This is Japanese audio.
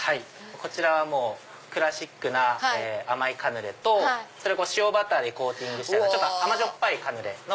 こちらはクラシックな甘いカヌレと塩バターでコーティングした甘じょっぱいカヌレ。